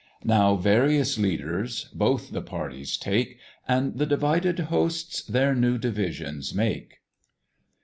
Now various leaders both the parties take, And the divided hosts their new divisions make.